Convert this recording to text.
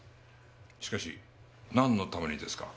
しかしなんのためにですか？